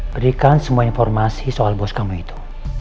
berikan semua informasi soal bos kamu itu